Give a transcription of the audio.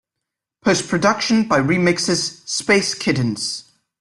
Post production by re-mixers 'Space Kittens'.